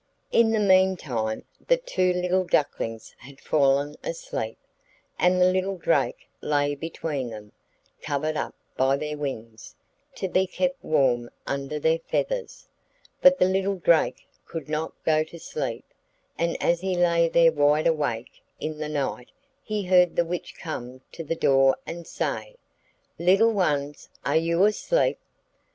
In the meantime the two little ducklings had fallen asleep, and the little drake lay between them, covered up by their wings, to be kept warm under their feathers. But the little drake could not go to sleep, and as he lay there wide awake in the night he heard the witch come to the door and say: 'Little ones, are you asleep?